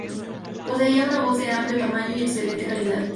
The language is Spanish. Poseía una voz de amplio tamaño y excelente calidad.